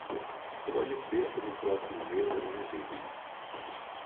Pode ser que no próximo mês eu me ajeite.